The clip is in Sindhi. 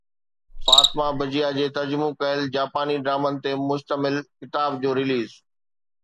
فاطمه بجيا جي ترجمو ڪيل جاپاني ڊرامن تي مشتمل ڪتاب جو رليز